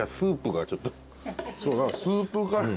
そうスープカレー。